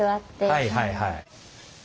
はいはいはい。